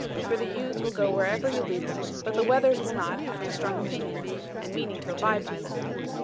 For the ewes will go wherever you lead them; but the wethers will not, having strong opinions, and meaning to abide by them.